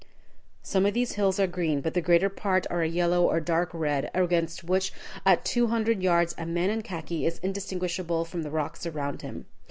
Some of these hills are green, but the greater part are a yellow or dark red, against which at two hundred yards a man in khaki is indistinguishable from the rocks around him.